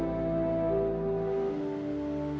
memerlukan teman yang sangat saya